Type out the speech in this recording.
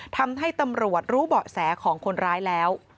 ทำให้ตำรวจรู้เบาะแสของคนร้ายแล้ว